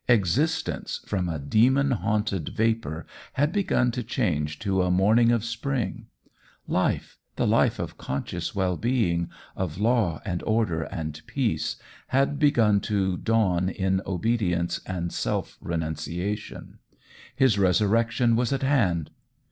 Existence, from a demon haunted vapor, had begun to change to a morning of spring; life, the life of conscious well being, of law and order and peace, had begun to dawn in obedience and self renunciation; his resurrection was at hand.